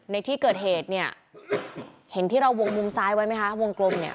ในที่เกิดเหตุเนี่ยเห็นที่เราวงมุมซ้ายไว้ไหมคะวงกลมเนี่ย